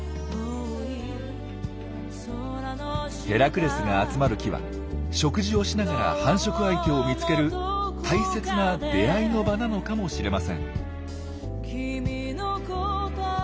ヘラクレスが集まる木は食事をしながら繁殖相手を見つける大切な出会いの場なのかもしれません。